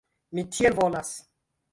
Mi tiel volas.